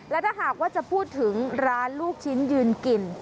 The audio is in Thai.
และถ้าหากว่าจะพูดถึงร้านลูกชิ้นยืนกิน